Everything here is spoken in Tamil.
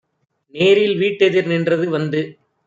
நேரில் வீட்டெதிர் நின்றது வந்து.